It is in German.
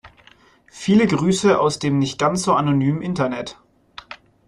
Viele Grüße aus dem nicht ganz so anonymen Internet.